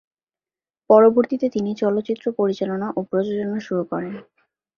পরবর্তীতে তিনি চলচ্চিত্র পরিচালনা ও প্রযোজনা শুরু করেন।